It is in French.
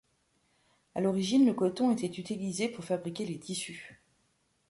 À l'origine, le coton était utilisé pour fabriquer les tissus.